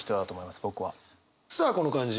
さあこの感じ